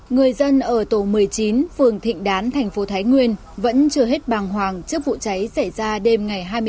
người dân ở tổ một mươi chín phường thịnh đán thành phố thái nguyên vẫn chưa hết bàng hoàng trước vụ cháy xảy ra đêm ngày hai mươi bốn